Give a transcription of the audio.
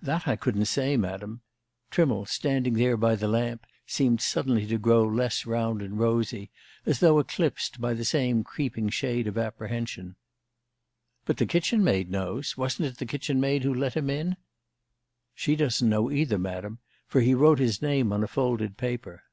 "That I couldn't say, Madam." Trimmle, standing there by the lamp, seemed suddenly to grow less round and rosy, as though eclipsed by the same creeping shade of apprehension. "But the kitchen maid knows wasn't it the kitchen maid who let him in?" "She doesn't know either, Madam, for he wrote his name on a folded paper."